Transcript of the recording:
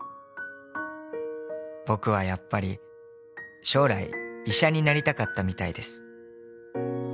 「僕はやっぱり将来医者になりたかったみたいです」